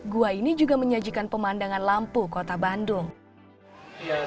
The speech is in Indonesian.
gua ini juga memiliki nama yang berbeda beda seperti stravomiti cafe megalakos cafe dan petralona cafe